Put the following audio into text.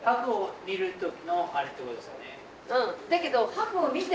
うん。